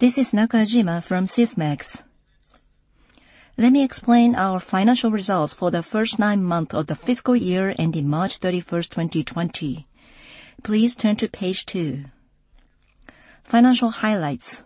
This is Nakajima from Sysmex. Let me explain our financial results for the first nine months of the fiscal year ending March 31st, 2020. Please turn to page two, financial highlights.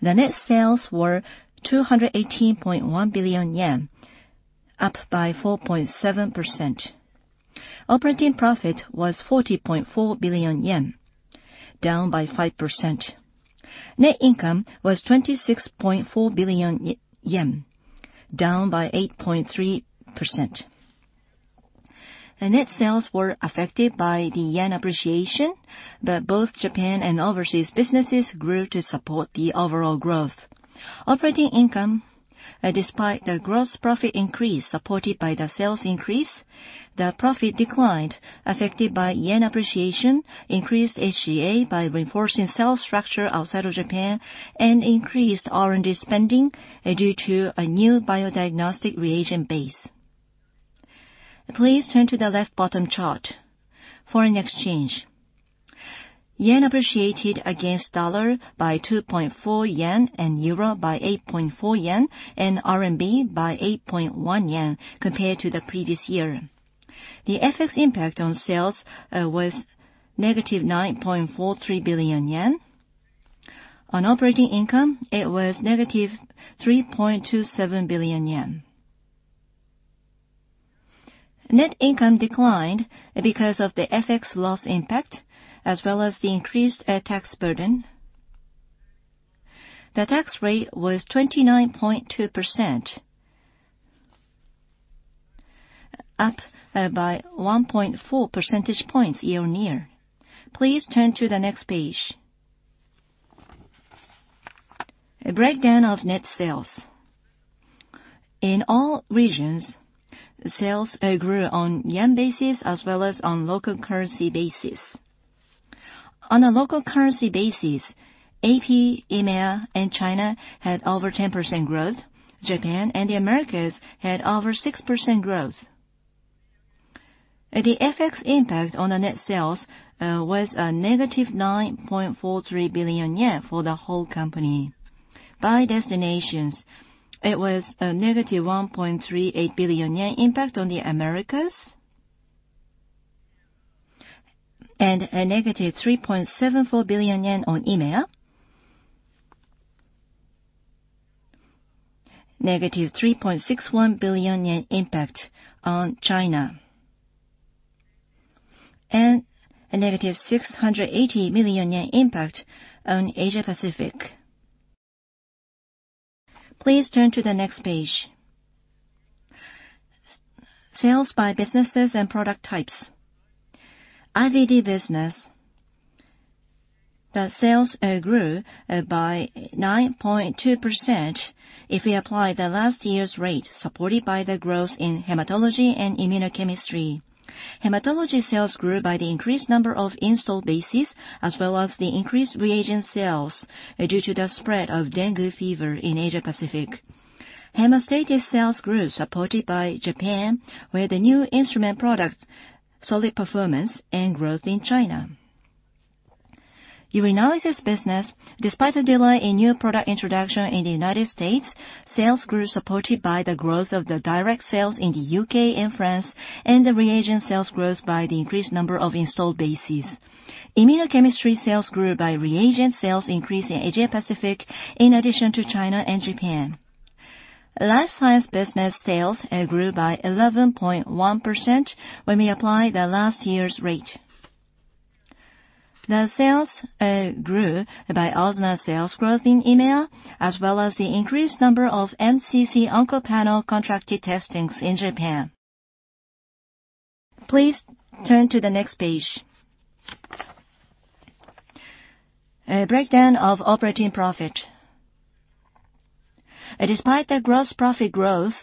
The net sales were 218.1 billion yen, up by 4.7%. Operating profit was 40.4 billion yen, down by 5%. Net income was 26.4 billion yen, down by 8.3%. The net sales were affected by the yen appreciation. Both Japan and overseas businesses grew to support the overall growth. Operating income, despite the gross profit increase supported by the sales increase, the profit declined, affected by yen appreciation, increased SG&A by reinforcing sales structure outside of Japan, and increased R&D spending due to a new diagnostic reagent base. Please turn to the left bottom chart. Foreign exchange. Yen appreciated against USD by JPY 2.4, EUR by JPY 8.4, and RMB by 8.1 yen compared to the previous year. The FX impact on sales was -9.43 billion yen. On operating income, it was -3.27 billion yen. Net income declined because of the FX loss impact, as well as the increased tax burden. The tax rate was 29.2%, up by 1.4 percentage points year-on-year. Please turn to the next page. A breakdown of net sales. In all regions, sales grew on yen basis as well as on local currency basis. On a local currency basis, AP, EMEA, and China had over 10% growth. Japan and the Americas had over 6% growth. The FX impact on the net sales was a -9.43 billion for the whole company. By destinations, it was a -1.38 billion yen impact on the Americas, and a -3.74 billion yen on EMEA -3.61 billion yen impact on China, and a -680 million yen impact on Asia Pacific. Please turn to the next page. Sales by businesses and product types. IVD business. The sales grew by 9.2% if we apply the last year's rate supported by the growth in hematology and immunochemistry. Hematology sales grew by the increased number of installed bases, as well as the increased reagent sales due to the spread of dengue fever in Asia-Pacific. Hemostasis sales grew supported by Japan, where the new instrument products solid performance and growth in China. Urinalysis business, despite the delay in new product introduction in the U.S., sales grew supported by the growth of the direct sales in the U.K. and France, and the reagent sales growth by the increased number of installed bases. Immunochemistry sales grew by reagent sales increase in Asia-Pacific in addition to China and Japan. Life science business sales grew by 11.1% when we apply the last year's rate. The sales grew by OSNA sales growth in EMEA, as well as the increased number of NCC Oncopanel contracted testings in Japan. Please turn to the next page. Breakdown of operating profit. Despite the gross profit growth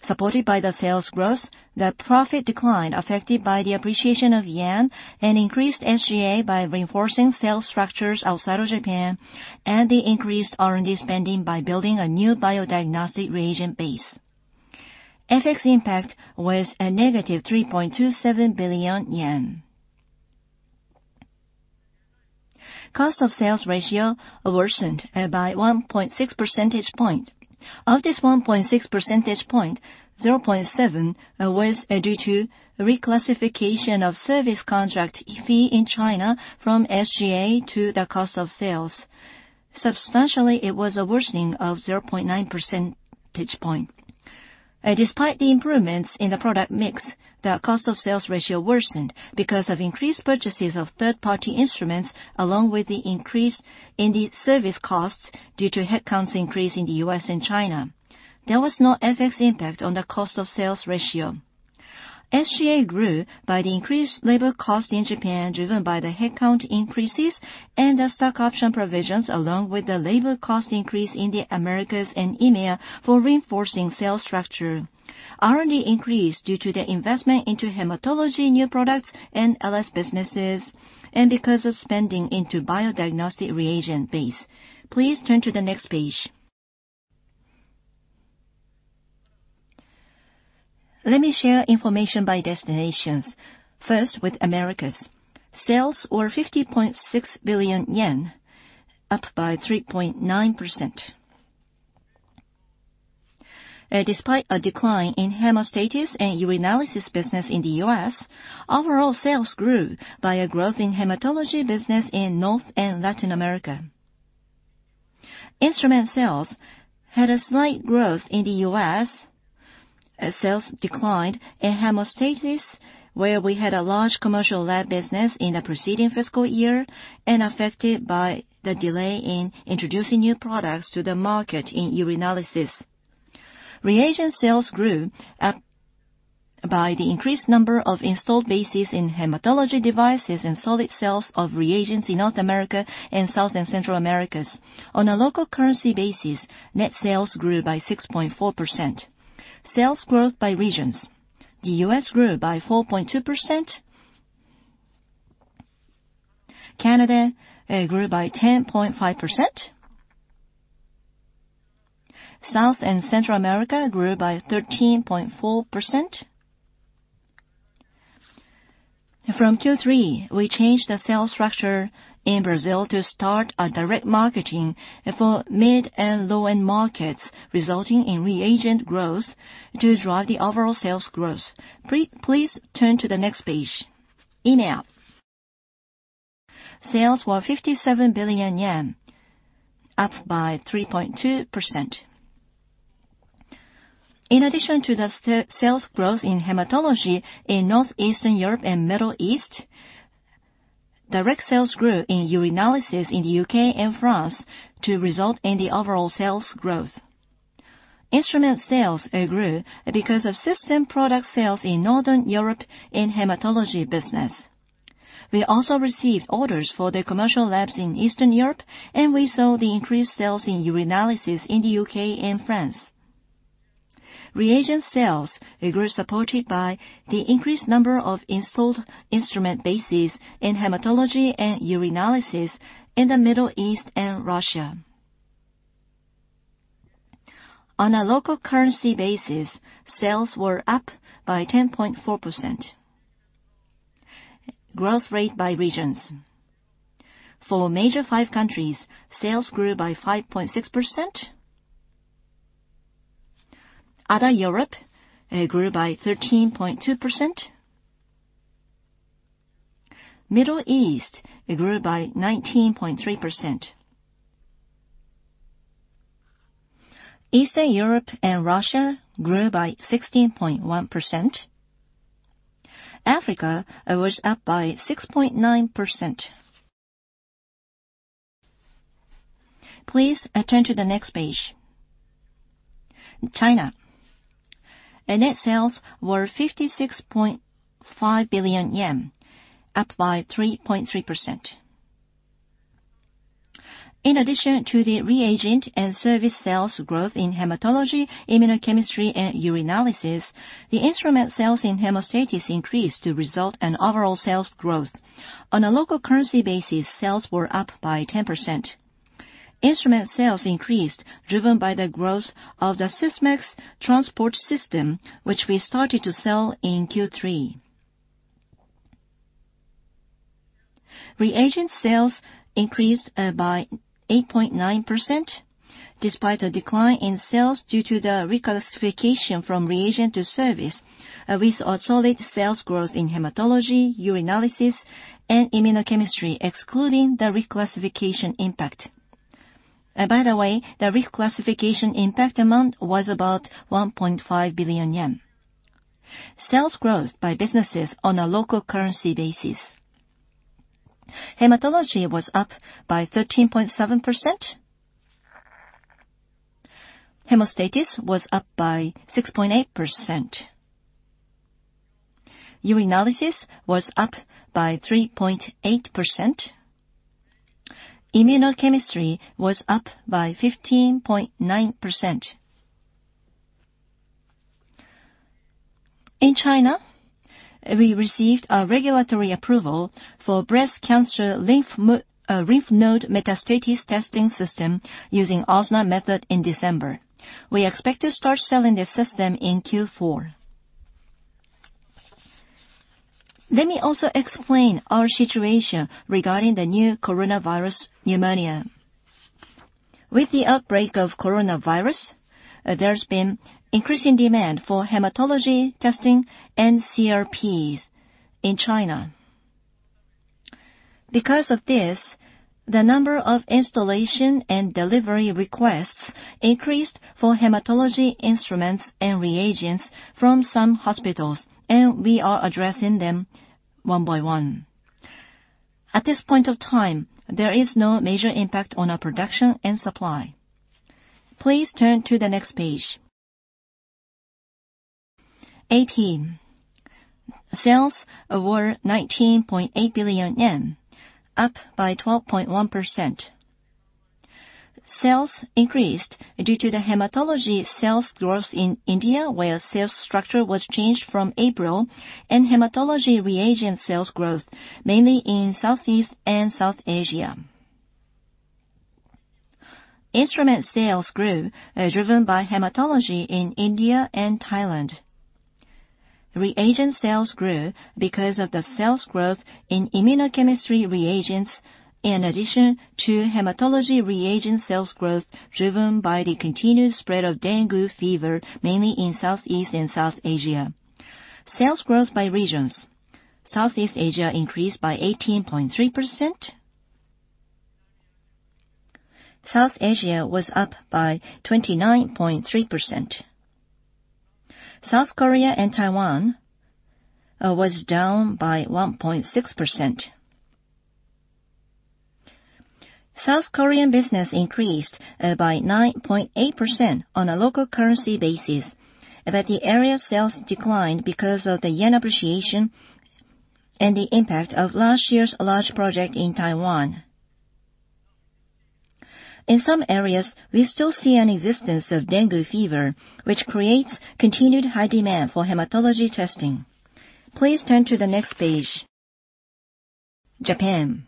supported by the sales growth, the profit declined affected by the appreciation of yen and increased SG&A by reinforcing sales structures outside of Japan and the increased R&D spending by building a new diagnostic reagent base. FX impact was a -3.27 billion yen. Cost of sales ratio worsened by 1.6 percentage point. Of this 1.6 percentage point, 0.7 was due to reclassification of service contract fee in China from SG&A to the cost of sales. Substantially, it was a worsening of 0.9 percentage point. Despite the improvements in the product mix, the cost of sales ratio worsened because of increased purchases of third-party instruments along with the increase in the service costs due to headcounts increase in the U.S. and China. There was no FX impact on the cost of sales ratio. SG&A grew by the increased labor cost in Japan, driven by the headcount increases and the stock option provisions along with the labor cost increase in the Americas and EMEA for reinforcing sales structure. R&D increased due to the investment into hematology new products and LS businesses and because of spending into diagnostic reagent base. Please turn to the next page. Let me share information by destinations. First, with Americas. Sales were 50.6 billion yen, up by 3.9%. Despite a decline in hemostasis and urinalysis business in the U.S., overall sales grew by a growth in hematology business in North and Latin America. Instrument sales had a slight growth in the U.S. Sales declined in hemostasis, where we had a large commercial lab business in the preceding fiscal year, and affected by the delay in introducing new products to the market in urinalysis. Reagent sales grew by the increased number of installed bases in hematology devices and solid sales of reagents in North America and South and Central Americas. On a local currency basis, net sales grew by 6.4%. Sales growth by regions. The U.S. grew by 4.2%. Canada grew by 10.5%. South and Central America grew by 13.4%. From Q3, we changed the sales structure in Brazil to start a direct marketing for mid and low-end markets, resulting in reagent growth to drive the overall sales growth. Please turn to the next page. EMEA. Sales were 57 billion yen, up by 3.2%. In addition to the sales growth in hematology in Northern Europe and Middle East, direct sales grew in urinalysis in the U.K. and France to result in the overall sales growth. Instrument sales grew because of system product sales in Northern Europe in hematology business. We also received orders for the commercial labs in Eastern Europe. We saw the increased sales in urinalysis in the U.K. and France. Reagent sales grew supported by the increased number of installed instrument bases in hematology and urinalysis in the Middle East and Russia. On a local currency basis, sales were up by 10.4%. Growth rate by regions. For major five countries, sales grew by 5.6%. Other Europe grew by 13.2%. Middle East grew by 19.3%. Eastern Europe and Russia grew by 16.1%. Africa was up by 6.9%. Please turn to the next page. China. Net sales were 56.5 billion yen, up by 3.3%. In addition to the reagent and service sales growth in hematology, immunochemistry, and urinalysis, the instrument sales in hemostasis increased to result in overall sales growth. On a local currency basis, sales were up by 10%. Instrument sales increased driven by the growth of the Sysmex transport system, which we started to sell in Q3. Reagent sales increased by 8.9%, despite a decline in sales due to the reclassification from reagent to service. We saw solid sales growth in hematology, urinalysis, and immunochemistry, excluding the reclassification impact. By the way, the reclassification impact amount was about 1.5 billion yen. Sales growth by businesses on a local currency basis. Hematology was up by 13.7%. Hemostasis was up by 6.8%. Urinalysis was up by 3.8%. Immunochemistry was up by 15.9%. In China, we received a regulatory approval for breast cancer lymph node metastasis testing system using OSNA method in December. We expect to start selling this system in Q4. Let me also explain our situation regarding the new coronavirus pneumonia. With the outbreak of coronavirus, there's been increasing demand for hematology testing and CRPs in China. The number of installation and delivery requests increased for hematology instruments and reagents from some hospitals, and we are addressing them one by one. At this point of time, there is no major impact on our production and supply. Please turn to the next page. A-team. Sales were 19.8 billion yen, up by 12.1%. Sales increased due to the hematology sales growth in India, where sales structure was changed from April, and hematology reagent sales growth, mainly in Southeast and South Asia. Instrument sales grew, driven by hematology in India and Thailand. Reagent sales grew because of the sales growth in immunochemistry reagents, in addition to hematology reagent sales growth driven by the continuous spread of dengue fever, mainly in Southeast and South Asia. Sales growth by regions. Southeast Asia increased by 18.3%. South Asia was up by 29.3%. South Korea and Taiwan was down by 1.6%. South Korean business increased by 9.8% on a local currency basis, but the area sales declined because of the yen appreciation and the impact of last year's large project in Taiwan. In some areas, we still see an existence of dengue fever, which creates continued high demand for hematology testing. Please turn to the next page. Japan.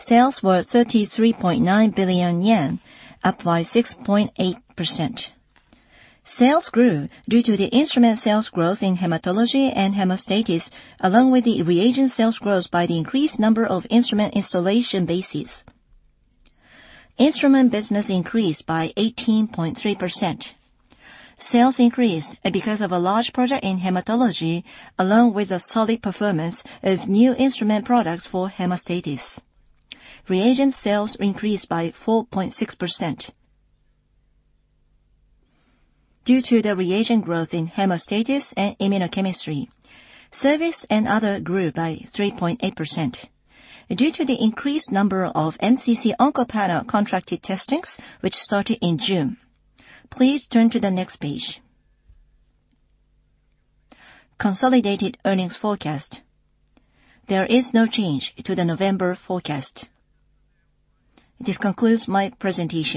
Sales were 33.9 billion yen, up by 6.8%. Sales grew due to the instrument sales growth in hematology and hemostasis, along with the reagent sales growth by the increased number of instrument installation bases. Instrument business increased by 18.3%. Sales increased because of a large project in hematology, along with the solid performance of new instrument products for hemostasis. Reagent sales increased by 4.6% due to the reagent growth in hemostasis and immunochemistry. Service and other grew by 3.8% due to the increased number of NCC Oncopanel contracted testings, which started in June. Please turn to the next page. Consolidated earnings forecast. There is no change to the November forecast. This concludes my presentation.